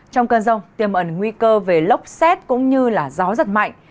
trong cơn rông tiềm ẩn nguy cơ về lốc xét cũng như gió giật mạnh